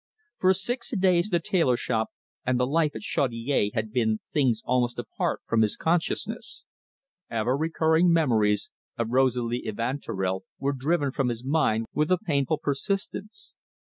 For six days the tailor shop and the life at Chaudiere had been things almost apart from his consciousness. Ever recurring memories of Rosalie Evanturel were driven from his mind with a painful persistence.